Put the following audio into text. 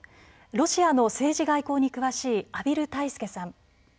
ロシアの政治・外交に詳しい畔蒜泰助さん